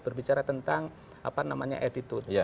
berbicara tentang apa namanya attitude